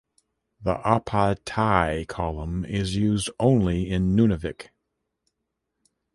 The "ai-pai-tai" column is used only in Nunavik.